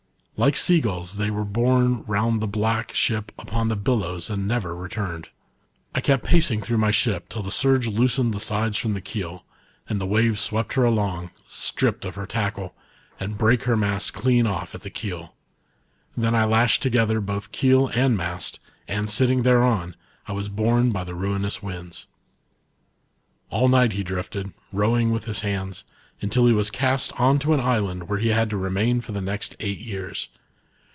" Like seagulls, they were borne ^ound the black 68 RETUKN OF ULYSSES. ship upon the billows ind never returned. I kept pacing through my ship till the surge loosened the sides from the keel, and the waves swept her along, stript of her tackle, and brake her mast clean off at the keel. Then I lashed together both keel and mast, and sitting thereon, I was borne by the ruinous winds/' All night he drifted, rowing with his hands, until he was cast on to an island where he had to remain for the next eight years.